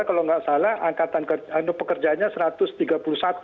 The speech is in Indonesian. kalau tidak salah pekerjanya rp satu ratus tiga puluh satu juta